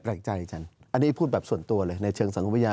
แรงใจฉันอันนี้พูดแบบส่วนตัวเลยในเชิงสังคมวิทยา